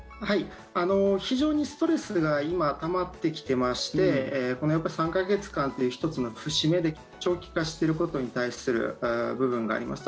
非常にストレスが今、たまってきてましてこの３か月間という１つの節目で長期化していることに対する部分があります。